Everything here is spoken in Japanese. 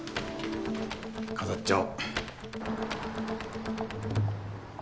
飾っちゃお。